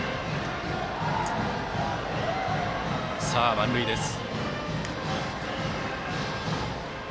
満塁です。